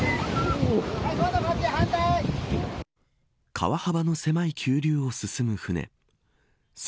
川幅の狭い急流を進む舟。